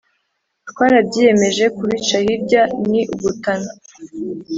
twarabyiyemeje”. kubica hirya ni ugutana.